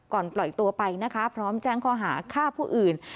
ก่อนปล่อยตัวไปพร้อมแจ้งคอหาฆ่าผู้อื่น